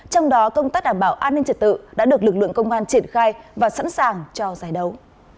trong đó công tác đảm bảo an ninh trật tự đã được lực lượng công an triển khai và sẵn sàng cho giải đấu